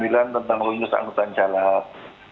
itu kan tentang unyus angkutan jalat